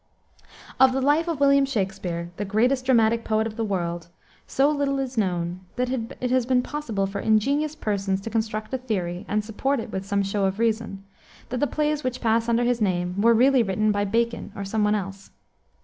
Of the life of William Shakspere, the greatest dramatic poet of the world, so little is known that it has been possible for ingenious persons to construct a theory and support it with some show of reason that the plays which pass under his name were really written by Bacon or some one else.